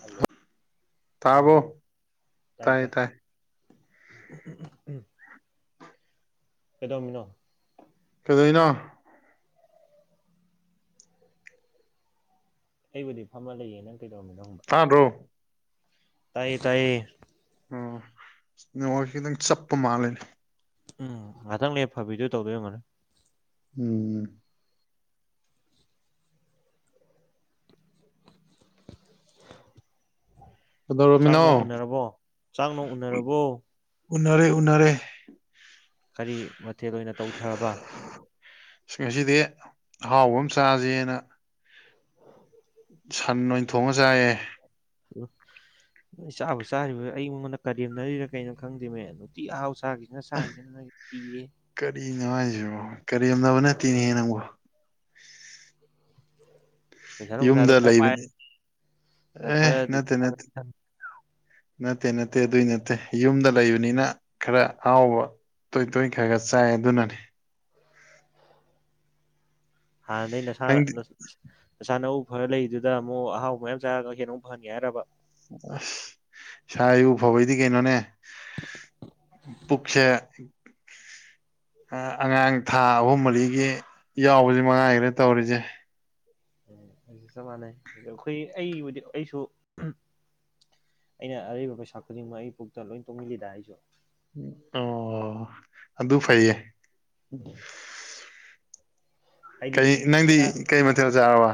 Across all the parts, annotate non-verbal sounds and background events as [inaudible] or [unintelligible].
ꯍꯜꯂꯣꯣ ꯇꯥꯕꯔꯣ ꯇꯥꯔꯕꯣ ꯇꯥꯏ ꯎꯝ ꯀꯩꯗꯧꯔꯝꯃꯤꯅꯣ ꯀꯩꯗꯧꯏꯅꯣ ꯑꯩꯕꯨꯗꯤ ꯐꯝꯃ ꯂꯩꯌꯦ ꯅꯪ ꯀꯩꯗꯧꯔꯝꯃꯤꯅꯣ ꯍꯪꯕ ꯇꯥ꯭ꯕꯔꯣ ꯇꯥꯏꯌꯦ ꯇꯥꯏꯌꯦ ꯑꯣ ꯅꯦꯠꯋꯥꯔꯛ ꯈꯤꯇꯪ ꯆꯞꯄ ꯃꯥꯜꯂꯦꯅꯦ ꯎꯝ ꯉꯍꯥꯛꯇꯪ ꯂꯩꯔ ꯐꯕꯤꯗꯣ ꯇꯧꯗꯣꯏ ꯑꯣꯏꯔꯝꯅꯤ ꯎꯝ [unintelligible] ꯆꯥꯡ ꯀꯩꯗꯧꯔꯝꯃꯤꯅꯣ ꯅꯣꯡ ꯎꯅꯔꯕꯣ ꯆꯥꯡ ꯅꯣꯡ ꯎꯅꯔꯕꯣ ꯎꯅꯔꯦ ꯎꯅꯔꯦ ꯀꯔꯤ ꯃꯊꯦꯜ ꯑꯣꯏꯅ ꯇꯧꯊꯔꯕ ꯉꯁꯤꯗꯤ ꯑꯍꯥꯎꯕ ꯑꯃ ꯆꯥꯁꯦꯅ ꯑ ꯁꯟ ꯑꯣꯏꯅ ꯊꯣꯡꯉ ꯆꯥꯏꯌꯦꯦ ꯎ ꯅ ꯆꯥꯕ ꯆꯥꯔꯤꯕꯗꯨ ꯑꯩꯉꯣꯟꯗ ꯀꯔꯦꯝꯅꯔꯤꯔ ꯀꯩꯅꯣ ꯈꯪꯗꯦꯃꯦ ꯅꯨꯡꯇꯤ ꯑꯍꯥꯎ ꯆꯥꯈꯤ ꯑꯗꯨ ꯁꯥꯡꯁꯤꯅꯣꯏ ꯏꯤꯌꯦ ꯀꯔꯤꯅꯣꯉ ꯍꯥꯏꯁꯤꯕꯣ ꯀꯔꯦꯝꯅꯕ ꯅꯠꯇꯦꯅꯦ ꯅꯪꯕꯣ ꯄꯩꯁꯥ ꯅꯨꯡꯁꯥꯗꯤ ꯌꯨꯝꯗ ꯂꯩꯕꯅꯤ ꯑꯦ ꯈꯔꯗꯤ ꯅꯠꯇꯦ ꯄꯥꯏ ꯅꯠꯇꯦ ꯅꯠꯇꯦ ꯅꯠꯇꯦ ꯑꯗꯨꯏ ꯅꯠꯇꯦ ꯌꯨꯝꯗ ꯂꯩꯕꯅꯤꯅ ꯈꯔ ꯍꯥꯎꯕ ꯇꯣꯏ ꯇꯣꯏꯈ꯭ꯔ ꯈꯔ ꯆꯥꯏ ꯑꯗꯨꯅꯅꯦ ꯍꯥꯟꯅꯗꯩ ꯅꯁꯥ ꯅꯪꯗꯤ ꯅꯁꯥ ꯅꯎ ꯐꯔ ꯂꯩꯔꯗꯨꯗ ꯑꯃꯨꯛ ꯑꯍꯥꯎꯕ ꯃꯌꯥꯝ ꯆꯔꯒ ꯍꯦꯟꯅꯃꯨꯛ ꯐꯍꯟꯒꯦ ꯍꯥꯏꯔꯕ ꯑꯁ ꯏꯁꯥ ꯏꯋꯨ ꯐꯕꯩꯗꯤ ꯀꯩꯅꯣꯅꯦ ꯄꯨꯛꯁꯦ ꯑꯉꯥꯡ ꯊꯥ ꯑꯍꯨꯝ ꯃꯔꯤꯒꯤ ꯌꯥꯎꯕꯁꯤꯃꯛ ꯉꯥꯏꯒꯔꯦ ꯇꯧꯔꯤꯁꯦ ꯎꯝ ꯑꯩꯁꯨ ꯆꯞ ꯃꯥꯟꯅꯩ ꯑ ꯑꯩꯈꯣꯏ ꯑꯩꯕꯨꯗꯤ ꯑꯩꯁꯨ ꯑꯩꯅ ꯑꯔꯩꯕ ꯄꯩꯁꯥ ꯈꯨꯗꯤꯡꯃꯛ ꯑꯩ ꯄꯨꯛꯇ ꯂꯣꯏ ꯇꯨꯡꯍꯜꯂꯤꯗ ꯑꯩꯁꯨ ꯑꯣ ꯑꯗꯨ ꯐꯩꯌꯦ ꯍꯥꯏꯗꯤ ꯀꯩ ꯅꯪꯗꯤ ꯀꯩ ꯃꯊꯦꯜ ꯆꯥꯔꯕ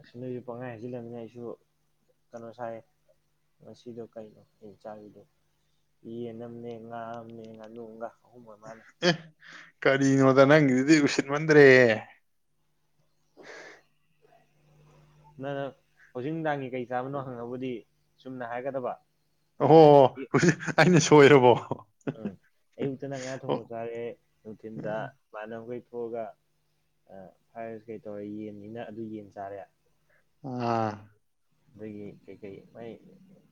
ꯑꯁ ꯅꯣꯏꯁꯨ ꯄꯪꯍꯥꯏ ꯍꯥꯏꯖꯤꯜꯂꯕꯅꯤꯅ ꯑꯩꯁꯨ ꯀꯩꯅꯣ ꯁꯥꯏꯌꯦ ꯉꯁꯤꯗꯣ ꯀꯩꯅꯣ ꯑꯩꯅ ꯆꯥꯒ꯭ꯔꯤꯗꯣ ꯌꯦꯟ ꯑꯃꯅꯦ ꯉꯥ ꯑꯃꯅꯦ ꯉꯥꯅꯨ ꯑꯝꯒ ꯑꯍꯨꯝ ꯑꯣꯏ ꯃꯥꯜꯂꯦ ꯑꯦ ꯀꯔꯤꯅꯣꯗ ꯅꯪꯒꯤꯗꯨꯗꯤ ꯎꯁꯤꯠ ꯃꯟꯗ꯭ꯔꯦꯍꯦ [unintelligible] ꯅꯪꯅ ꯍꯧꯖꯤꯛ ꯅꯨꯡꯗꯥꯡꯒꯤ ꯀꯩ ꯆꯥꯕꯅꯣ ꯍꯪꯉꯕꯨꯗꯤ ꯆꯨꯝꯅ ꯍꯥꯏꯒꯗꯕ ꯑꯣꯍꯣ ꯍꯧꯖꯤꯛ ꯑꯩꯅ ꯁꯣꯏꯔꯕꯣ ꯎꯝ ꯑꯌꯨꯛꯇꯅ ꯉꯥ ꯊꯣꯡꯕ ꯆꯥꯔꯦ ꯅꯨꯡꯊꯤꯟꯗ ꯁꯨꯃꯥꯏꯅ ꯑꯩꯈꯣꯏ ꯊꯣꯛꯑꯒ ꯑ ꯐ꯭ꯔꯥꯏꯠ ꯔꯥꯏꯁ ꯀꯩ ꯇꯧꯔꯦ ꯌꯦꯟꯅꯤꯅ ꯑꯗꯨ ꯌꯦꯟ ꯆꯥꯔꯦ ꯑꯥ ꯑꯗꯒꯤ ꯀꯩ ꯀꯩ ꯃꯥꯏ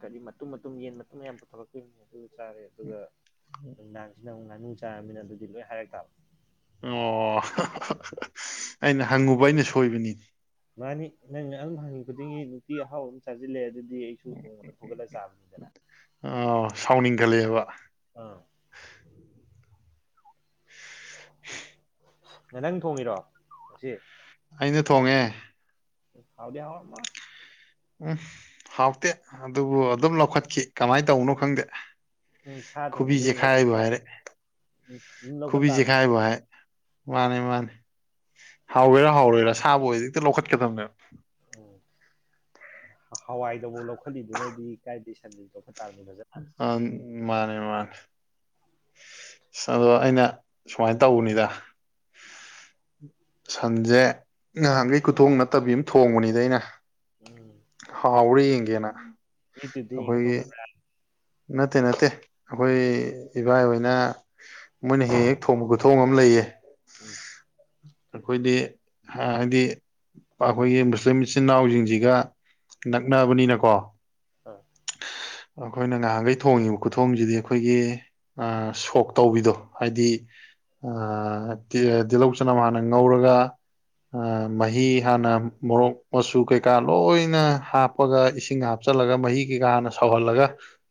ꯀꯔꯤ ꯃꯇꯨꯝ ꯃꯇꯨꯝ ꯌꯦꯟ ꯃꯇꯨꯝ ꯃꯌꯥꯝ ꯄꯨꯊꯣꯔꯛꯇꯣꯏꯅꯤ ꯑꯗꯨ ꯆꯥꯔꯦ ꯑꯗꯨꯒ ꯅꯨꯡꯗꯥꯡꯁꯤꯅ ꯑꯃꯨꯛ ꯉꯥꯅꯨ ꯆꯥꯔꯕꯃꯤꯅ ꯑꯗꯨꯗꯤ ꯂꯣꯏ ꯍꯥꯏꯔꯛ ꯇꯥꯕ ꯑꯣ ꯑꯩꯅ ꯍꯪꯉꯨꯕ ꯑꯩꯅ ꯁꯣꯏꯕꯅꯤ ꯃꯥꯅꯤ ꯅꯪꯅ ꯑꯗꯨꯝ ꯍꯪꯉꯤ ꯈꯨꯗꯤꯡꯒꯤ ꯅꯨꯡꯇꯤ ꯑꯍꯥꯎꯕ ꯆꯥꯁꯤꯜꯂꯦ ꯑꯗꯨꯗꯤ ꯑꯩ ꯑꯩꯁꯨ ꯅꯣꯡꯃꯗ ꯐꯨꯒꯠꯂꯒ ꯆꯥꯕꯅꯤꯗꯅ ꯑꯣ ꯁꯥꯎꯅꯤꯡꯒꯂꯦꯕ ꯑꯥ ꯍ ꯅꯪ ꯊꯣꯡꯉꯤꯔꯣ ꯉꯁꯤ ꯑꯩꯅ ꯊꯣꯡꯉꯦ ꯍꯥꯎꯗꯤ ꯍꯥꯎꯔꯝꯃꯣꯏ ꯎꯝ ꯍꯥꯎꯇꯦ ꯑꯗꯨꯕꯨ ꯑꯗꯨꯝ ꯂꯧꯈꯠꯈꯤ ꯀꯃꯥꯏꯅ ꯇꯧꯕꯧꯅꯣ ꯈꯪꯗꯦ ꯎꯝ ꯁꯥ ꯈꯨꯕꯤ ꯊꯣꯡꯉꯗꯤ ꯑꯗꯨꯝ ꯂꯧꯈꯠꯄ ꯆꯤꯛꯈꯥꯏꯕꯨ ꯇꯥ ꯍꯥꯏꯔꯦ ꯎꯝ ꯑꯗꯨꯝ ꯂꯧꯈꯠ ꯈꯨꯕꯤ ꯇꯥꯕꯅꯤ ꯆꯤꯛꯈꯥꯏꯕꯨ ꯍꯥꯏ ꯃꯥꯅꯦ ꯃꯥꯅꯦ ꯍꯥꯎꯒꯦꯔꯥ ꯍꯥꯎꯔꯣꯏꯔꯥ ꯁꯥꯕꯨ ꯑꯣꯏꯗꯤ ꯍꯦꯛꯇ ꯂꯧꯈꯠꯀꯗꯕꯅꯦꯕ ꯎꯝ ꯍꯋꯥꯏꯗꯐꯥꯎ ꯂꯧꯈꯠꯂꯤꯗꯨꯅꯗꯤ ꯀꯥꯏꯗꯒꯤ ꯁꯟꯗꯤ ꯂꯧꯈꯠ ꯇꯥꯕꯅꯤ ꯐꯖꯅ ꯑꯥ ꯃꯥꯅꯦ ꯃꯥꯅꯦ ꯑꯗꯣ ꯑꯩꯅ ꯁꯨꯃꯥꯏꯅ ꯇꯧꯕꯅꯤꯗ ꯁꯟꯁꯦ ꯉꯍꯥꯟꯈꯩ ꯈꯨꯊꯣꯡ ꯅꯠꯇꯕꯤ ꯑꯃ ꯊꯣꯡꯕꯅꯤꯗ ꯑꯩꯅ ꯎꯝ ꯍꯥꯎꯥꯎꯔ ꯌꯦꯡꯒꯦꯅ ꯌꯨꯇ꯭ꯌꯨꯇ ꯌꯦꯡ ꯑꯩꯈꯣꯏꯒꯤ ꯊꯣꯡꯉꯤꯕ꯭ꯔ ꯅꯠꯇꯦ ꯅꯠꯇꯦ ꯑꯩꯈꯣꯏ ꯏꯕꯥꯏ ꯍꯣꯏꯅ ꯃꯣꯏꯅ ꯍꯦꯛ ꯍꯦꯛ ꯊꯣꯡꯕ ꯈꯨꯠꯊꯣꯡ ꯑꯃ ꯂꯩꯑ ꯎꯝ ꯑꯩꯈꯣꯏꯗꯤ ꯍꯥꯏꯗꯤ ꯑꯩꯈꯣꯏꯒꯤ ꯃꯨꯁꯂꯤꯝ ꯏꯆꯤꯟ ꯏꯅꯥꯎꯁꯤꯡꯁꯤꯒ ꯅꯛꯅꯕꯅꯤꯅꯀꯣ ꯑꯥ ꯑꯩꯈꯣꯏꯅ ꯉꯍꯥꯟꯈꯩ ꯊꯣꯡꯉꯤꯕ ꯈꯨꯊꯣꯡꯁꯤꯗꯤ ꯑꯩꯈꯣꯏꯒꯤ ꯑꯝ ꯁꯣꯛ ꯇꯧꯕꯤꯗꯣ ꯍꯥꯏꯗꯤ ꯑꯝ ꯇꯤ ꯇꯤꯜꯂꯧ ꯆꯅꯝ ꯍꯥꯟꯅ ꯉꯧꯔꯒ ꯑꯝ ꯃꯍꯤ ꯍꯥꯟꯅ ꯃꯣꯔꯣꯛ ꯃꯆꯨ ꯀꯩꯀꯥ ꯂꯣꯏꯅ ꯍꯥꯞ ꯄꯒ ꯏꯁꯤꯡ ꯍꯥꯞꯆꯤꯜꯂꯒ ꯃꯍꯤ ꯀꯩꯀꯥꯅ ꯁꯧꯍꯜꯂꯒ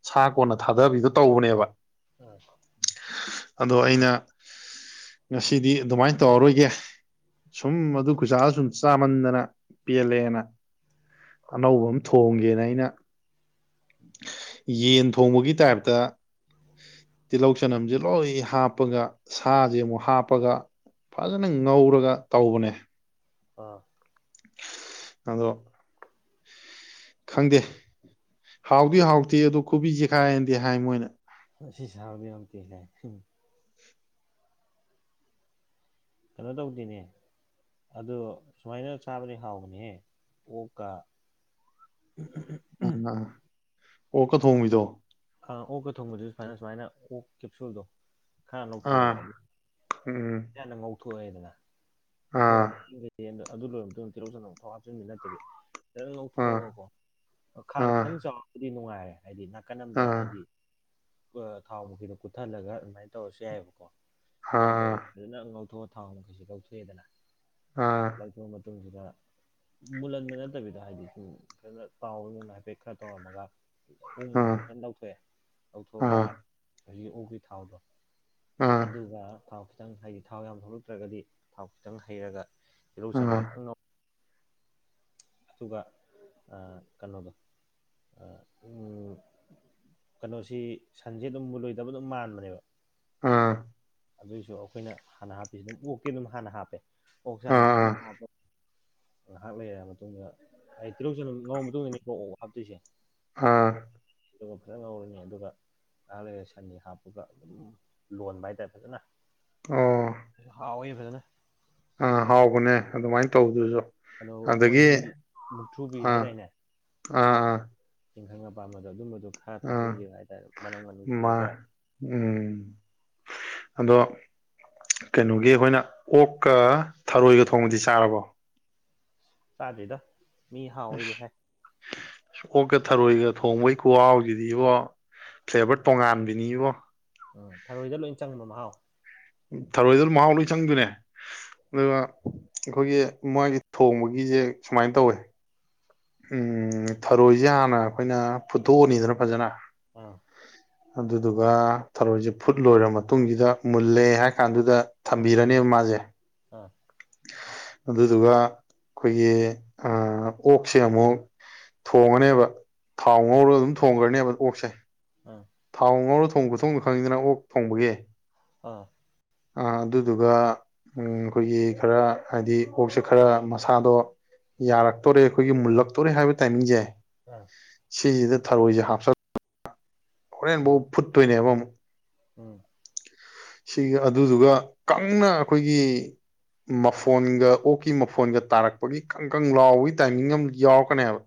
ꯁꯥ ꯀꯣꯟꯅ ꯊꯥꯗꯕꯤꯗꯨꯣ ꯇꯧꯕꯅꯦꯕ ꯑꯥ ꯑꯗꯣ ꯑꯩꯅ ꯉꯁꯤꯗꯤ ꯑꯗꯨꯃꯥꯏꯅ ꯇꯧꯔꯔꯣꯏꯒꯦ ꯁꯨꯝ ꯑꯗꯨ ꯈꯨꯖꯥꯗ ꯁꯨꯝ ꯆꯥꯃꯟꯗꯅ ꯄꯦꯜꯂꯦꯅ ꯑꯅꯧꯕ ꯑꯃ ꯊꯣꯡꯒꯦꯅ ꯑꯩꯅ ꯌꯦꯟ ꯊꯣꯡꯕꯒꯤ ꯇꯥꯏꯞꯇ ꯇꯤꯜꯍꯧ ꯆꯅꯝꯁꯦ ꯂꯣꯏ ꯍꯥꯞꯄꯒ ꯁꯥꯁꯦ ꯑꯃꯨꯛ ꯍꯥꯞꯄꯒ ꯐꯖꯅ ꯉꯧꯔꯒ ꯇꯧꯕꯅꯦ ꯑꯥ ꯑꯗꯣ ꯈꯪꯗꯦ ꯍꯥꯎꯗꯤ ꯍꯥꯎꯇꯦ ꯑꯗꯨ ꯈꯨꯕꯤ ꯆꯤꯛꯈꯥꯏ ꯌꯦꯗꯤ ꯍꯥꯏ ꯃꯣꯏꯅ ꯑꯁꯤ ꯁꯥꯕꯗꯤ ꯌꯥꯛꯇꯦ ꯍꯥꯏꯦ ꯎꯝ ꯀꯩꯅꯣ ꯇꯧꯗꯦꯅꯦ ꯑꯗꯨ ꯁꯨꯃꯥꯏꯅ ꯆꯥꯕꯗꯤ ꯍꯥꯎꯕꯅꯦꯍꯦ ꯑꯣꯛꯀ ꯎꯝ ꯎꯝ ꯑꯝꯥ ꯑꯣꯣꯛꯀ ꯊꯣꯡꯉꯗꯣ ꯑ ꯑꯣꯛꯀ ꯊꯣꯡꯕꯗꯨ ꯁꯨꯃꯥꯏꯅ ꯁꯨꯃꯥꯏꯅ ꯑꯣꯛ ꯀꯦꯞꯁꯨꯜꯗꯣ ꯈꯔ ꯑꯥ ꯂꯧꯊꯣꯛꯑꯕ ꯑꯗꯨ ꯎꯝ ꯌꯥꯝꯅ ꯉꯧꯊꯣꯛꯑꯦꯗꯅ ꯊꯣꯛ ꯑꯥ ꯑꯗꯨ ꯂꯣꯏꯔꯕ ꯃꯇꯨꯡꯗ ꯇꯦꯔꯧꯁꯅ ꯑꯃꯨꯊꯣꯛ ꯍꯥꯞꯆꯤꯟꯕ ꯅꯠꯇꯕꯤ ꯐꯅ ꯑꯥ ꯉꯧꯊꯣꯛꯑꯒꯀꯣ ꯈꯥꯡ ꯑꯥ ꯈꯤꯇꯪ ꯆꯥꯎꯔꯕꯨꯗꯤ ꯅꯨꯡꯉꯥꯏꯔꯦ ꯍꯥꯏꯗꯤ ꯅꯥꯀꯟ ꯑꯃꯗ ꯑꯥ ꯍꯥꯏꯗꯤ ꯊꯥꯎ ꯃꯈꯗꯨ ꯀꯨꯠꯊꯜꯂꯒ ꯑꯗꯨꯃꯥꯏꯅ ꯇꯧꯔꯁꯨ ꯌꯥꯏꯑꯕꯀꯣ ꯑꯗꯨ ꯇꯧꯋꯤ ꯑꯥ ꯑꯗꯨꯖꯅ ꯉꯧꯊꯣꯛꯑ ꯊꯥꯎ ꯃꯈꯩꯁꯨ ꯀꯧꯊꯣꯛꯑꯦꯗꯅ ꯑꯥ ꯂꯧꯊꫭꯛꯑꯕ ꯃꯇꯨꯡꯁꯤꯗ ꯃꯨꯜꯍꯟꯕ ꯅꯠꯇꯕꯤꯗ ꯍꯥꯏꯗꯤ ꯁꯨꯝ ꯐꯅ ꯇꯥꯎꯗꯨꯅ ꯍꯥꯏꯐꯦꯠ ꯈꯔ ꯇꯧꯔꯝꯃꯒ ꯎꯃꯨ ꯍꯧꯖꯤꯛ ꯐꯖꯅ ꯂꯧꯊꯣꯛꯑꯦ ꯑꯥ ꯂꯧꯊꯣꯛꯑꯒ ꯑꯥ ꯍꯧꯖꯤꯛ ꯎꯒꯤ ꯊꯥꯎꯗꯣ ꯑꯥ ꯑꯗꯨꯒ ꯊꯥꯎ ꯈꯤꯇꯪ ꯍꯩ ꯊꯥꯎ ꯌꯥꯝ ꯊꯣꯛꯂꯛꯇ꯭ꯔꯒꯗꯤ ꯊꯥꯎ ꯈꯤꯇꯪ ꯍꯩꯔꯒ ꯇꯤꯂꯧ ꯆꯥꯟꯅ ꯐꯥꯅ ꯉꯧ ꯑꯗꯨꯒ ꯑ ꯀꯩꯅꯣꯗꯣ ꯑ ꯎꯝ ꯀꯩꯅꯣꯁꯤ ꯁꯟꯁꯦ ꯑꯗꯨꯝ ꯃꯨꯜꯂꯣꯏꯗꯕ ꯑꯗꯨꯝ ꯃꯥꯟꯕꯅꯦꯕ ꯑꯝ ꯑꯗꯨꯏꯁꯨ ꯑꯩꯈꯣꯏꯅ ꯍꯥꯟꯅ ꯍꯥꯞꯄꯤꯁꯤ ꯑꯗꯨꯝ ꯑꯣꯛꯀ ꯑꯗꯨꯝ ꯍꯥꯟꯅ ꯍꯥꯞꯄꯦ ꯑꯣꯛ ꯆꯥꯅ ꯑꯥ ꯐꯖꯅ ꯍꯥꯞꯄ ꯉꯥꯏꯍꯥꯛ ꯂꯩꯔ ꯃꯇꯨꯡꯗ ꯑꯩ ꯇꯤꯜꯍꯧ ꯆꯥꯅꯝ ꯉꯥꯡꯧꯎꯔꯥ ꯃꯇꯨꯡ ꯏꯅꯤ ꯀꯣ ꯑꯣꯛ ꯍꯥꯞꯇꯣꯏꯁꯦ ꯑꯥ ꯑꯣꯛꯁꯦ ꯑꯗꯨꯒ ꯐꯖꯅ ꯉꯥꯎꯔꯅꯤ ꯑꯗꯨꯒ ꯉꯍꯥꯛ ꯂꯩꯔꯥ ꯁꯟꯅꯤ ꯍꯥꯞꯄꯨꯒ ꯑꯗꯨꯝ ꯂꯣꯟꯕ ꯍꯥꯏꯇꯥꯔꯦ ꯐꯖꯅ ꯑꯣ ꯍꯥꯎꯋꯤ ꯐꯖꯥꯅ ꯑꯥ ꯍꯥꯎꯕꯅꯦ ꯑꯗꯨꯃꯥꯏꯅ ꯇꯧꯕꯗꯨꯁꯨ ꯑꯗꯣ ꯑꯗꯒꯤ ꯃꯣꯏꯒꯤ ꯃꯨꯛꯊꯨꯕꯤ ꯍꯥꯏꯗꯥꯏꯅꯦ ꯑ ꯑ ꯏꯪꯈꯪ ꯑꯄꯥꯝꯕꯗꯣ ꯑꯗꯨꯝꯕꯗꯨꯣ ꯈꯔ ꯑꯥ ꯊꯥꯛꯆꯤꯟꯈꯤꯕ ꯍꯥꯏꯇꯥꯔꯦ ꯃꯅꯨꯡꯅꯝ ꯃꯅꯨꯡ ꯃꯥ ꯁꯤꯔꯒ ꯎꯝ ꯑꯗꯣ ꯀꯩꯅꯣꯒꯤ ꯑꯩꯈꯣꯏꯅ ꯑꯣꯛꯀ ꯊꯔꯣꯏꯒ ꯊꯣꯡꯕꯗꯤ ꯆꯥꯔꯕꯣ ꯆꯥꯗ꯭ꯔꯤꯗꯥ ꯃꯤ ꯍꯥꯎꯋꯤꯗꯤ ꯍꯥꯏ ꯑꯁ ꯑꯣꯛꯀ ꯊꯔꯣꯏꯒ ꯊꯣꯡꯕꯩ ꯀꯍꯥꯎꯁꯤꯗꯤꯕꯣ ꯐ꯭ꯂꯦꯕꯔ ꯇꯣꯉꯥꯟꯕꯅꯤꯕꯣ ꯎꯝ ꯊꯔꯣꯏꯗ ꯂꯣꯏ ꯆꯪꯕꯣ ꯅꯍꯥꯎ ꯊꯔꯣꯏꯗꯨꯅ ꯃꯍꯥꯎ ꯂꯣꯏ ꯆꯪꯗꯣꯏꯅꯦ ꯑꯗꯨꯒ ꯑꯩꯈꯣꯏꯒꯤ ꯃꯥꯒꯤ ꯊꯣꯡꯕꯒꯤꯁꯦ ꯁꯨꯃꯥꯏꯅ ꯇꯧꯋꯦ ꯎꯝ ꯊꯔꯣꯏꯁꯦ ꯍꯥꯟꯅ ꯑꯩꯈꯣꯏꯅ ꯐꯨꯠꯇꯣꯛꯑꯅꯤꯗꯅ ꯐꯖꯅ ꯑꯥ ꯑꯗꯨꯗꯨꯒ ꯊꯔꯣꯏꯁꯦ ꯐꯨꯠ ꯂꯣꯏꯔ ꯃꯇꯨꯡꯁꯤꯗ ꯃꯨꯜꯂꯦ ꯍꯥꯏ ꯀꯥꯟꯗꯨꯗ ꯊꯝꯕꯤꯔꯅꯦꯕ ꯃꯥꯁꯦ ꯑꯥ ꯑꯗꯨꯗꯨꯒ ꯑꯩꯈꯣꯏꯒꯤ ꯑꯣꯛꯁꯦ ꯑꯃꯨꯛ ꯊꯣꯡꯉꯅꯦꯕ ꯊꯥꯎ ꯉꯧꯔꯒ ꯑꯗꯨꯝ ꯊꯣꯡꯈ꯭ꯔꯅꯦꯕ ꯑꯣꯛꯁꯦ ꯑꯝ ꯊꯥꯎ ꯉꯧꯔ ꯊꯣꯡꯕ ꯄꯨ ꯊꯣꯡꯅ ꯈꯪꯉꯤꯗꯅ ꯑꯣꯛ ꯊꯣꯡꯕꯒꯤ ꯑꯥ ꯑꯗꯨꯗꯨꯒ ꯑꯩꯈꯣꯏꯒꯤ ꯈꯔ ꯍꯥꯏꯗꯤ ꯑꯣꯛꯁꯦ ꯈꯔ ꯃꯁꯥꯗꯣ ꯌꯥꯔꯛꯇꯣꯔꯦ ꯑꯩꯈꯣꯏꯒꯤ ꯃꯨꯜꯂꯛꯇꯣꯔꯦ ꯍꯥꯏꯕ ꯇꯥꯏꯃꯤꯡꯁꯦ ꯑꯝ ꯁꯤꯁꯤꯗ ꯊꯔꯣꯏꯁꯦ ꯍꯥꯞꯆꯜꯂ ꯍꯣꯔꯦꯟꯐꯧ ꯎꯝ ꯐꯨꯠꯇꯣꯏꯅꯦꯕ ꯑꯃꯨꯛ ꯎꯝ ꯁꯤꯒ ꯑꯗꯨꯗꯨꯒ ꯀꯪꯅ ꯑꯩꯈꯣꯏꯒꯤ ꯃꯐꯣꯟꯒ ꯑꯣꯛꯀꯤ ꯃꯐꯣꯟꯒ ꯇꯥꯔꯛꯄꯒꯤ ꯀꯪ ꯀꯪ ꯂꯥꯎꯕꯒꯤ ꯇꯥꯏꯃꯤꯡ ꯑꯃ ꯌꯥꯎꯔꯛꯀꯅꯦꯕ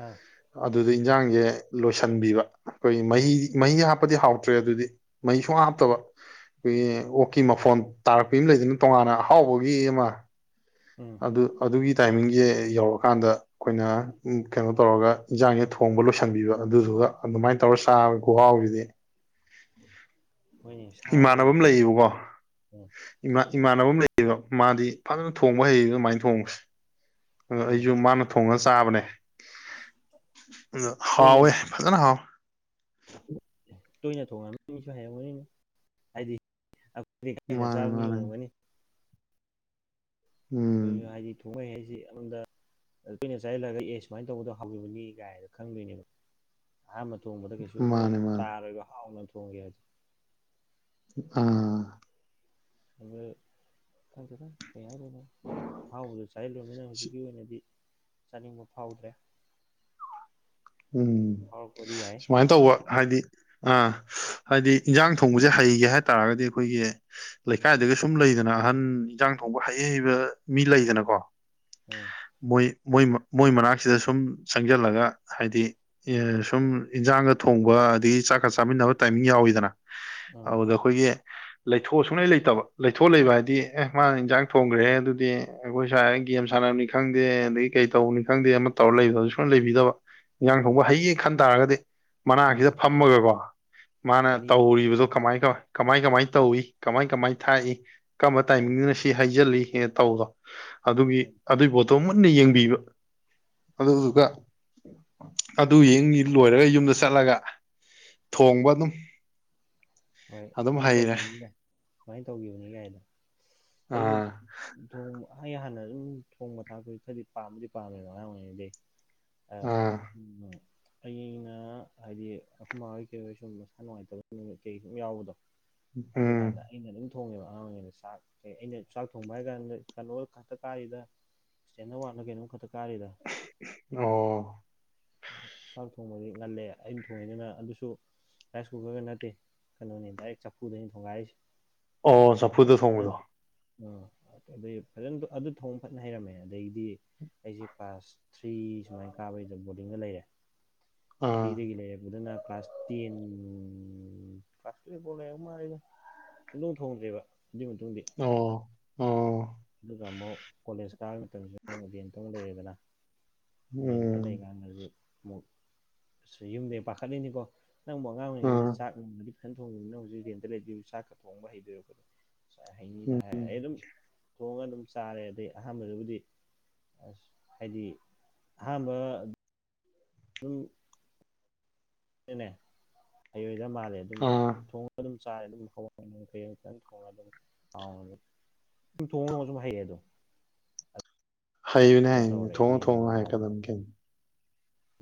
ꯑꯥ ꯑꯗꯨꯗ ꯏꯟꯖꯥꯡꯁꯦ ꯂꯣꯏꯁꯤꯟꯕꯤꯕ ꯑꯩꯈꯣꯏꯒꯤ ꯃꯍꯤ ꯃꯍꯤ ꯍꯥꯞꯄꯗꯤ ꯍꯥꯎꯇ꯭ꯔꯦ ꯑꯗꯨꯗꯤ ꯃꯍꯤ ꯁꯨꯡ ꯍꯥꯞꯇꯕ ꯑꯩꯈꯣꯏꯒꯤ ꯑꯣꯛꯀꯤ ꯃꯐꯣꯟ ꯇꯥꯔꯛꯄ ꯑꯃ ꯂꯩꯗꯅ ꯇꯣꯉꯥꯟꯅ ꯑꯍꯥꯎꯕꯒꯤ ꯑꯃ ꯎꯝ ꯑꯗꯨ ꯑꯗꯨꯒꯤ ꯇꯥꯏꯃꯤꯡꯁꯦ ꯌꯧꯔꯀꯥꯟꯗ ꯑꯩꯈꯣꯏꯅ ꯀꯩꯅꯣ ꯇꯧꯔꯒ ꯏꯟꯖꯥꯡꯁꯦ ꯊꯣꯡꯕ ꯂꯣꯏꯁꯟꯕꯤꯕ ꯑꯗꯨꯗꯨꯒ ꯑꯗꯨꯃꯥꯏꯅ ꯇꯧꯔꯒ ꯆꯥꯕ ꯈꯨꯍꯥꯎꯁꯤꯗꯤ ꯍꯣꯏꯅꯦ ꯏꯃꯥꯟꯅꯕ ꯁꯥꯗꯕꯨ ꯑꯃ ꯍꯥꯎ ꯂꯩꯌꯦꯕꯀꯣ ꯎꯝ ꯃꯥ ꯏꯃꯥꯟꯅꯕ ꯑꯃ ꯂꯩꯌꯦꯕ ꯃꯥꯗꯤ ꯐꯖꯅ ꯊꯣꯡꯕ ꯍꯩꯌꯦ ꯑꯗꯨꯃꯥꯏꯅ ꯊꯣꯡꯕꯁꯦ ꯑꯗꯣ ꯎꯝ ꯑꯩꯁꯨ ꯃꯥꯅ ꯊꯣꯡꯉꯒ ꯆꯥꯕꯅꯦ ꯑꯗ ꯇꯣꯏꯅ ꯍꯥꯎꯋꯦ ꯐꯖꯅ ꯍꯥꯎꯋꯦ ꯇꯣꯏꯅ ꯊꯣꯡꯉꯅꯕ ꯃꯤꯁꯨ ꯍꯥꯏꯔꯝꯅꯤꯅ ꯍꯥꯏꯗꯤ ꯑꯩꯈꯣꯏꯗꯤ ꯀ ꯍꯅ ꯃꯥꯅꯦ ꯆꯥꯕ ꯃꯤ ꯃꯥꯅꯦ ꯑꯣꯏꯔꯝꯒꯅꯤ ꯎꯝ ꯑꯩꯈꯣꯏꯁꯨ ꯍꯥꯏꯗꯤ ꯊꯣꯡꯕꯥ ꯍꯥꯏꯁꯤ ꯑꯃꯗ ꯑ ꯀꯨꯣꯏꯩꯅ ꯆꯥꯏꯁꯤꯜꯂꯒ ꯑꯦ ꯁꯨꯃꯥꯏꯅ ꯇꯧꯕꯗꯣ ꯍꯧꯈꯤꯕꯅꯤ ꯀꯥꯏꯗꯣ ꯈꯪꯗꯣꯏꯅꯦꯕ ꯑꯍꯥꯟꯕ ꯊꯣꯡꯕꯗ ꯀꯩꯁꯨꯝ ꯃꯥꯅꯦ ꯃꯥꯅꯦ ꯇꯥꯔꯣꯏꯕ ꯍꯥꯎꯅ ꯊꯣꯡꯉꯦ ꯍꯥꯏꯁꯦ ꯑꯥ ꯑꯗꯨ ꯊꯝꯖꯦ ꯊꯝ ꯀꯩ ꯍꯥꯏꯗꯣꯏꯅꯣ ꯑꯍꯥꯎꯕꯗ ꯆꯥꯂꯨꯕꯅꯤꯅ ꯍꯧꯖꯤꯛꯀꯤ ꯑꯣꯏꯅꯗꯤ ꯆꯥꯅꯤꯡꯕ ꯐꯥꯎꯗ꯭ꯔꯦ ꯎꯝ ꯐꯥꯎꯔꯛꯄꯗꯤ ꯌꯥꯏ ꯁꯨꯃꯥꯏꯅ ꯇꯧꯕ ꯍꯥꯏꯗꯤ ꯑꯥ ꯍꯥꯏꯗꯤ ꯏꯟꯖꯥꯡ ꯊꯣꯡꯕꯁꯦ ꯍꯩꯒꯦ ꯍꯥꯏꯇꯥꯥꯔꯒꯗꯤ ꯑꯩꯈꯣꯏꯒꯤ ꯂꯩꯀꯥꯏꯗꯒꯤ ꯁꯨꯝ ꯂꯩꯗꯅ ꯑꯍꯟ ꯏꯟꯖꯥꯡ ꯊꯣꯡꯕ ꯍꯩ ꯍꯩꯕ ꯃꯤ ꯂꯩꯗꯅꯀꯣ ꯎꯝ ꯃꯣꯏꯣꯏ ꯃꯣꯏ ꯃꯅꯥꯛꯁꯤꯗ ꯁꯨꯝ ꯆꯪꯁꯤꯜꯂꯒ ꯍꯥꯏꯗꯤ ꯁꯨꯝ ꯏꯟꯖꯥꯡꯒ ꯊꯣꯡꯕ ꯑꯗꯒꯤ ꯆꯥꯛꯀ ꯆꯥꯃꯤꯟꯅꯕ ꯇꯥꯏꯃꯤꯡ ꯌꯥꯎꯋꯤꯗꯅ ꯎꯝ ꯑꯗꯨꯗ ꯑꯩꯈꯣꯏꯒꯤ ꯂꯩꯊꯣꯛ ꯁꯨꯡꯂꯩ ꯂꯩꯇꯕ ꯂꯩꯊꯣꯛ ꯂꯩꯕ ꯍꯥꯏꯗꯤ ꯑꯦ ꯃꯥꯅ ꯏꯟꯖꯥꯡ ꯊꯣꯡꯈ꯭ꯔꯦ ꯑꯗꯨꯗꯤ ꯑꯩꯈꯣꯏ ꯁꯨꯋꯥꯏꯔꯅ ꯒꯦꯝ ꯁꯥꯟꯅꯕꯅꯤ ꯈꯪꯗꯦ ꯑꯗꯒꯤ ꯀꯩ ꯇꯧꯕꯅꯤ ꯈꯪꯗꯦ ꯑꯃ ꯇꯧꯔ ꯂꯩꯕ ꯁꯨꯡꯂꯩ ꯂꯩꯕꯤꯗꯕ ꯏꯟꯈꯥꯡ ꯎꯝ ꯊꯣꯡꯕ ꯍꯩꯒ ꯈꯟ ꯇꯥꯔꯒꯗꯤ ꯎꯝ ꯃꯅꯥꯛꯁꯤꯗ ꯐꯝꯃꯒꯀꯣ ꯃꯥꯅ ꯀꯔꯤ ꯇꯧꯔꯤꯕꯗꯣ ꯀꯃꯥꯏ ꯀꯃꯥꯏ ꯀꯃꯥꯏ ꯇꯧꯏ ꯀꯃꯥꯏ ꯀꯃꯥꯏ ꯊꯥꯛꯏ ꯀꯔꯝꯕ ꯎꯝ ꯇꯥꯏꯃꯤꯡꯗꯨꯅ ꯁꯤ ꯍꯥꯏꯖꯤꯜꯂꯤ ꯍꯦꯟꯅ ꯇꯧꯕꯗꯣ ꯑꯗꯨꯒꯤ ꯎꯝ ꯑꯗꯨꯒꯤ ꯄꯣ ꯇꯣ ꯃꯨꯟꯅ ꯌꯦꯡꯕꯤꯕ ꯑꯗꯨꯗꯨꯒ ꯑꯗꯨ ꯌꯦꯡ ꯂꯣꯏꯔꯒ ꯌꯨꯝꯗ ꯆꯠꯂꯒ ꯊꯣꯡꯕ ꯑꯗꯨꯝ ꯍꯣꯏ ꯑꯗꯨꯝ ꯁꯨꯃꯥꯏꯅ ꯍꯩꯔꯦ ꯇꯧꯈꯤꯕꯅꯤꯗ ꯁꯨꯃꯥꯏꯅ ꯇꯧꯈꯤꯕꯅꯤ ꯀꯥꯏꯗ ꯑꯩꯁꯨ ꯑꯥ ꯊꯣꯡ ꯑꯩ ꯍꯥꯟꯅ ꯑꯗꯨꯝ ꯊꯣꯡꯕ ꯊꯥꯛꯄꯗꯤ ꯈꯔꯗꯤ ꯄꯥꯝꯕꯨꯗꯤ ꯄꯥꯝꯃꯦꯕꯣ ꯑꯉꯥꯡ ꯑꯣꯏꯔꯤꯉꯩꯗꯩ ꯑ ꯑꯥ ꯎꯝ ꯑꯩꯅ ꯍꯥꯏꯗꯤ ꯑꯈꯣꯢꯃꯥꯍꯣꯢ ꯀꯩ ꯍꯣꯏ ꯁꯨꯝ ꯃꯁꯥ ꯅꯨꯡꯉꯥꯏꯇꯕ ꯅꯨꯃꯤꯠ ꯀꯩ ꯁꯨꯝ ꯌꯥꯎꯕꯗꯣ ꯑꯗꯨ ꯎꯝ ꯀꯥꯟꯗ ꯑꯩꯅ ꯗꯨꯝ ꯊꯣꯡꯉꯦꯕ ꯑꯉꯥꯡꯉꯩꯗ ꯆꯥꯛ ꯀꯩ ꯑꯩꯅ ꯆꯥꯛ ꯊꯣꯡꯕ ꯍꯥꯏ ꯀꯥꯟꯗ ꯀꯩꯅꯣ ꯈꯥꯛꯇ ꯀꯥꯔꯤꯗ ꯏꯁꯇꯦꯟꯗ ꯋꯥꯠꯅ ꯀꯩꯅꯣꯝꯈꯛꯇ ꯀꯥꯔꯤꯗ ꯑꯣ ꯆꯥꯛ ꯊꯣꯡꯕꯗꯤ ꯉꯜꯂꯦ ꯑꯩꯅ ꯊꯣꯡꯉꯤꯗꯅ ꯑꯗꯨꯁꯨ ꯔꯥꯏꯁ ꯀꯨꯀꯔꯒ ꯅꯠꯇꯦ ꯀꯩꯅꯣꯅꯤ ꯗꯥꯏꯔꯦꯛ ꯆꯐꯨꯗꯅꯤ ꯊꯣꯡꯒꯥꯏꯔꯤꯁꯦ ꯑꯣ ꯆꯐꯨꯗ ꯊꯣꯡꯕꯗꯣ ꯑ ꯑꯗꯨꯩ ꯐꯖꯅ ꯑꯗꯨ ꯊꯣꯡ ꯐꯖꯅ ꯍꯩꯔꯝꯃꯦ ꯑꯗꯒꯤꯗꯤ ꯑꯩꯁꯦ ꯀ꯭ꯂꯥꯁ ꯊ꯭ꯔꯤ ꯁꯨꯃꯥꯏꯅ ꯀꯥꯕꯩꯗ ꯕꯣꯔꯗꯤꯡꯗ ꯂꯩꯔꯦ ꯑꯥ ꯊ꯭ꯔꯤꯗꯒꯤ ꯂꯩꯔꯛꯄꯗꯨꯅ ꯀ꯭ꯂꯥꯁ ꯇꯦꯟ ꯀ꯭ꯂꯥꯁ ꯇꯨꯌꯦꯞꯄꯥꯎ ꯂꯩꯔꯛ ꯃꯥꯂꯦꯗ ꯁꯨꯛꯊꯣꯡ ꯊꯣꯡꯗ꯭ꯔꯦꯕ ꯑꯗꯨꯏ ꯃꯇꯨꯡꯗꯗꯤ ꯑꯣ ꯑꯣ ꯑꯗꯨꯒ ꯑꯃꯨꯛ ꯀꯣꯂꯦꯖ ꯀꯥꯕꯒꯤ ꯃꯇꯝꯁꯤ ꯑꯃꯨꯛ ꯔꯦꯟꯇ ꯃꯨꯛ ꯂꯩꯔꯦꯗꯅ ꯔꯦꯟꯇ ꯎꯝ ꯂꯩꯀꯥꯟꯗꯗꯤ ꯑꯃꯨꯛ ꯌꯨꯝꯗꯒꯤꯩ ꯄꯥꯈꯠꯂꯤꯅꯤꯀꯣ ꯅꯪꯕꯨ ꯑꯉꯥꯡ ꯑꯣꯏꯔꯤꯉꯩꯗꯤ ꯑꯥ ꯆꯥꯛ ꯅꯨꯡꯃꯗꯤ ꯐꯖꯅ ꯊꯣꯡꯉꯅꯤꯅ ꯍꯧꯖꯤꯛ ꯔꯦꯟꯇ ꯂꯩꯗꯣꯏ ꯆꯥꯛꯀ ꯊꯣꯡꯕ ꯍꯩꯗꯣꯏꯔ ꯉꯥꯏ ꯍꯩꯅꯤꯗ ꯍꯥꯏ ꯑꯩ ꯑꯗꯨꯝ ꯊꯣꯡꯉꯒ ꯑꯗꯨꯝ ꯆꯥꯔꯦ ꯑꯗꯩ ꯑꯍꯥꯟꯕꯗꯕꯨꯗꯤ ꯑꯁ ꯍꯥꯏꯗꯤ ꯑꯍꯥꯟꯕ ꯑꯗꯨꯝ ꯅꯦ ꯑꯩꯣꯏꯗ ꯃꯥꯜꯂꯦ ꯑꯗꯨꯝ ꯑꯥ ꯊꯣꯡ ꯑꯗꯨꯝ ꯆꯥꯏ ꯑꯗꯨꯝ ꯍꯋꯥꯏꯈꯩ ꯇꯪ ꯊꯣꯡꯉꯒ ꯑꯗꯨꯝ ꯍꯥꯎꯅ ꯁꯨꯝ ꯊꯣꯡꯉ ꯊꯣꯡꯉꯁꯨ ꯍꯩꯌꯦ ꯗꯣ ꯍꯩꯕꯅꯦ ꯊꯣꯡꯉꯣ ꯊꯣꯡꯉꯣ ꯍꯥꯏ ꯅꯣꯡꯒ ꯀꯟꯗꯅ ꯀꯩ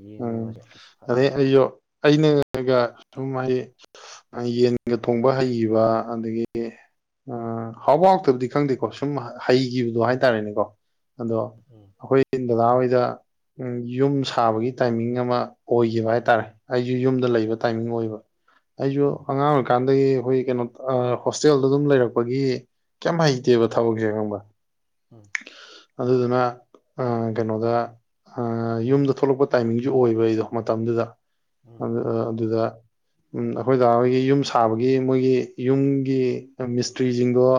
ꯌꯦꯟ ꯎꯝ ꯅꯣꯡꯒꯁꯦ ꯑꯁ ꯑꯗꯩ ꯐꯖꯅ ꯑꯩꯁꯨ ꯑꯩꯅꯒ ꯁꯨꯝ ꯑꯩ ꯌꯦꯟꯒ ꯊꯣꯡꯕ ꯍꯩꯒꯤꯕ ꯑꯗꯒꯤ ꯑ ꯍꯥꯎꯕꯥ ꯍꯥꯎꯇꯕꯗꯤ ꯈꯪꯗꯦꯀꯣ ꯁꯨꯝ ꯍꯩꯒꯤꯕꯗꯣ ꯍꯥꯏꯇꯥꯔꯦꯅꯦꯀꯣ ꯑꯗꯣ ꯎꯝ ꯑꯩꯈꯣꯏ ꯗꯗꯥ ꯍꯣꯏꯗ ꯌꯨꯝ ꯁꯥꯕꯒꯤ ꯇꯥꯏꯃꯤꯡ ꯑꯃ ꯑꯣꯏꯈꯤꯕ ꯍꯥꯏꯇꯥꯔꯦ ꯑꯩꯁꯨ ꯌꯨꯝꯗ ꯂꯩꯕ ꯇꯥꯏꯃꯤꯡ ꯑꯣꯏꯕ ꯑꯩꯁꯨ ꯎꯝ ꯎꯝ ꯑꯉꯥꯡ ꯀꯥꯟꯗꯒꯤ ꯑꯩꯈꯣꯏ ꯀꯩꯅꯣ ꯍꯣꯁꯇꯦꯜꯗ ꯑꯗꯨꯝ ꯂꯩꯔꯛꯄꯒꯤ ꯀꯩꯝ ꯍꯩꯇꯦꯕ ꯊꯕꯛꯁꯦ ꯈꯪꯉꯕ ꯎꯝ ꯑꯗꯨꯗꯨꯅ ꯑ ꯀꯩꯅꯣꯗ ꯌꯨꯝꯗ ꯊꯣꯛꯂꯛꯄ ꯇꯥꯏꯃꯤꯡꯁꯨ ꯑꯣꯏꯕ ꯑꯩꯗꯣ ꯃꯇꯝꯗꯨꯗ ꯎꯝ ꯑꯗꯨꯗ ꯎ ꯑꯩꯈꯣꯏꯗ ꯑꯩꯈꯣꯏꯒꯤ ꯌꯨꯝ ꯁꯥꯕꯒꯤ ꯃꯣꯏꯒꯤ ꯌꯨꯝꯒꯤ ꯃꯤꯁꯇ꯭ꯔꯤꯁꯤꯡꯗꯣ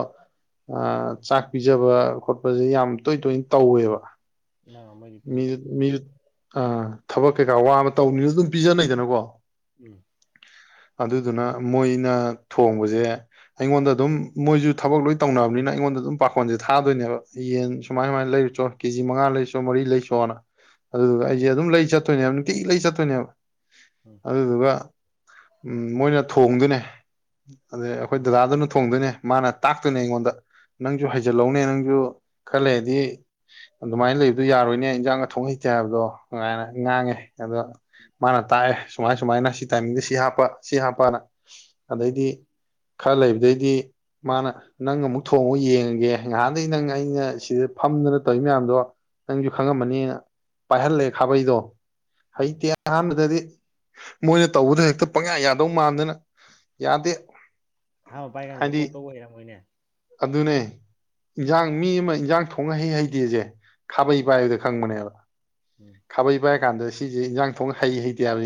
ꯑ ꯆꯥꯛ ꯄꯤꯖꯕ ꯈꯣꯠ ꯍꯧꯖꯤꯛ ꯌꯥꯝ ꯇꯣꯏ ꯇꯣꯏ ꯇꯧꯋꯦꯕ ꯅꯪ ꯑꯃꯗꯤ ꯄꯤꯖꯩ ꯃꯤꯖꯨ ꯎꯝ ꯃꯤꯖꯨ ꯑꯥ ꯊꯕꯛ ꯀꯩꯀꯥ ꯋꯥ ꯑꯃ ꯇꯧꯅꯤꯅꯁꯨ ꯑꯗꯨꯝ ꯄꯤꯖꯅꯩꯗꯅꯀꯣ ꯎꯝ ꯑꯗꯨꯗꯨꯅ ꯃꯣꯏꯅ ꯊꯣꯡꯕꯖꯦ ꯑꯩꯉꯣꯟꯗ ꯑꯗꯨꯝ ꯃꯣꯏꯖꯨ ꯊꯕꯛ ꯂꯣꯏ ꯇꯧꯅꯕꯅꯤꯅ ꯑꯩꯉꯣꯟꯗ ꯑꯗꯨꯝ ꯄꯥꯈꯣꯟꯖꯦ ꯊꯥꯗꯣꯏꯅꯦꯕ ꯌꯦꯟ ꯁꯨꯃꯥꯏ ꯁꯨꯃꯥꯏ ꯂꯩꯔꯨꯆꯣ ꯀꯦꯖꯤ ꯃꯉꯥ ꯂꯩꯔꯨꯆꯣ ꯃꯔꯤ ꯂꯩꯆꯣꯅ ꯑꯗꯨꯗꯨꯒ ꯎꯝ ꯑꯩꯖꯦ ꯑꯗꯨꯝ ꯂꯩ ꯆꯠꯇꯣꯏꯅꯦꯕ ꯅꯨꯡꯇꯤꯒꯤ ꯂꯩ ꯆꯠꯇꯣꯏꯅꯦꯕ ꯎꯝ ꯑꯗꯨꯗꯨꯒ ꯃꯣꯏꯅ ꯊꯣꯡꯗꯣꯏꯅꯦ ꯑꯗꯩ ꯑꯩꯈꯣꯏ ꯎꯝ ꯎꯝ ꯗꯗꯥꯗꯨꯅ ꯊꯣꯡꯗꯣꯏꯅꯦ ꯃꯥꯅ ꯇꯥꯛꯇꯨꯅꯦ ꯑꯩꯉꯣꯟꯗ ꯅꯪꯖꯨ ꯍꯩꯖꯤꯜꯍꯧꯅꯦ ꯅꯪꯖꯨ ꯈꯔ ꯂꯩꯗꯤ ꯑꯗꯨꯃꯥꯏꯅ ꯂꯩꯕꯗꯣ ꯌꯥꯔꯣꯏꯅꯦ ꯏꯟꯖꯥꯡꯒ ꯊꯣꯡ ꯍꯩꯇꯦ ꯍꯥꯏꯕꯗꯣ ꯉꯥꯏꯅ ꯉꯥꯡꯉꯦ ꯑꯗꯣ ꯃꯥꯅ ꯇꯥꯛꯑꯦ ꯁꯨꯃꯥꯏ ꯁꯨꯃꯥꯏꯅ ꯁꯤ ꯇꯥꯏꯃꯤꯡꯗ ꯁꯤ ꯍꯥꯞꯄ ꯁꯤ ꯍꯥꯞꯄꯅ ꯎꯝ ꯑꯗꯩꯗꯤ ꯈꯔ ꯂꯩꯕꯗꯩꯗꯤ ꯃꯥꯅ ꯅꯪ ꯑꯃꯨꯛ ꯊꯣꯡꯉꯨ ꯌꯦꯡꯉꯒꯦ ꯉꯍꯥꯟꯗꯩ ꯅꯪ ꯑꯩ ꯑꯩꯅ ꯁꯤꯗ ꯐꯝꯗꯅ ꯇꯧꯏ ꯃꯌꯥꯝꯗꯣ ꯅꯪꯁꯨ ꯈꯪꯉꯝꯃꯅꯤꯅ ꯄꯥꯏꯍꯜꯂꯦ ꯈꯥꯕꯩꯗꯣ ꯎꯝ ꯍꯩꯇ‌ꯦ ꯍꯥꯟꯕꯗꯗꯤ꯫ ꯃꯣꯏꯅ ꯇꯧꯕꯗ ꯍꯦꯛꯇ ꯄꯪꯌꯥ ꯌꯥꯗꯧ ꯃꯥꯟꯗꯅ ꯌꯥꯗꯦ꯫ ꯑꯍꯟꯕ ꯄꯥꯏ ꯀꯥꯟꯗꯗꯤ ꯍꯥꯏꯗꯤ ꯑꯣꯠꯄꯕꯨ ꯍꯩꯔꯝꯃꯣꯏꯅꯦ꯫ ꯑꯗꯨꯅꯦ ꯏꯟꯖꯥꯡ ꯃꯤ ꯑꯃ ꯏꯟꯖꯥꯡ ꯊꯣꯡ ꯍꯩ ꯍꯩꯇꯦꯖꯦ ꯈꯥꯕꯩ ꯎꯝ ꯄꯥꯏꯕꯗ ꯈꯪꯕꯅꯦꯕ ꯎꯝ ꯈꯥꯕꯩ ꯄꯥꯏ ꯀꯥꯟꯗ ꯁꯤꯖꯤ ꯏꯟꯖꯥꯡ ꯊꯣꯡ ꯍꯩ ꯍꯩꯇꯦ ꯍꯥꯏꯕꯖꯦ